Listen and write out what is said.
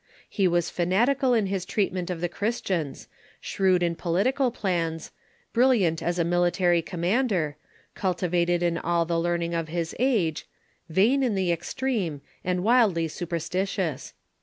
He was fanatical in Character of j^^^ treatment of the Christians, shrewd in political Julian ___' 1 plans, brilliant as a military commander, cultivated in all the learning of his age, vain in the extreme, and wildly superstitious.